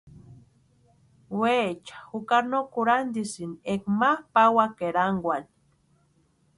Weecha jukari no kurhantisïni éka ma pawaka erankwani.